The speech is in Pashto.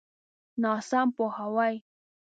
ناسم پوهاوی.